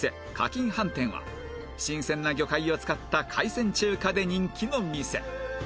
錦飯店は新鮮な魚介を使った海鮮中華で人気の店